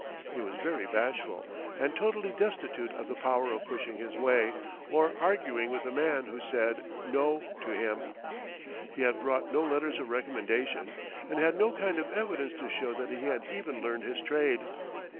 He was very bashful, and totally destitute of the power of pushing his way, or arguing with a man who said "No" to him. He had brought no letters of recommendation, and had no kind of evidence to show that he had even learned his trade.